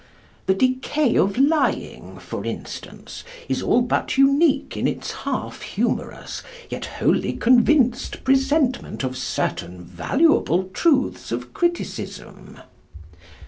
The Decay of Lying, for instance, is all but unique in its half humorous, yet wholly convinced, presentment of certain valuable truths of criticism.